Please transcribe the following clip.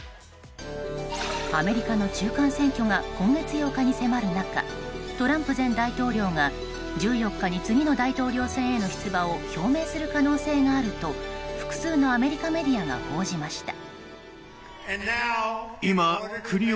アメリカの中間選挙が今月８日に迫る中トランプ前大統領が１４日に次の大統領選への出馬を表明する可能性があると複数のアメリカメディアが報じました。